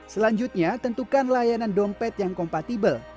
selanjutnya tentukan layanan dompet yang kompatibel